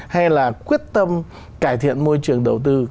hay là quyết tâm cải thiện môi trường đầu tư